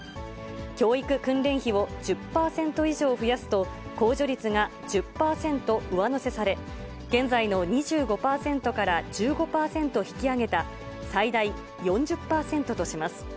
教育訓練費を１０％以上増やすと、控除率が１０％上乗せされ、現在の２５％から１５％引き上げた最大４０％とします。